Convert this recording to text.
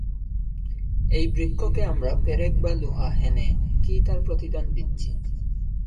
এই বৃক্ষকে আমরা পেরেক বা লোহা হেনে কি তার প্রতিদান দিচ্ছি?